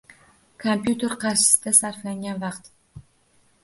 Kompyuter qarshisida sarflash uchun vaqt